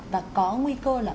và có nguy cơ là